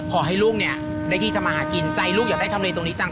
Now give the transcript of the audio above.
ขอให้ลูกเนี่ยได้ที่ทำมาหากินใจลูกอยากได้ทำเลตรงนี้จัง